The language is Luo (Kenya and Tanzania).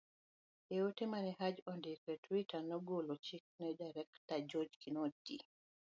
E ote ma ne Haji ondiko e twitter, nogolo chik ne Director George Kinoti